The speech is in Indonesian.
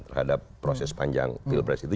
terhadap proses panjang pilpres itu